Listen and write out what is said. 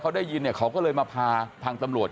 เขาได้ยินมันก็เลยมาพาทางตำรวจ